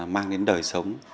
mang đến đời sống